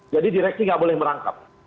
jadi direksi gak boleh merangkap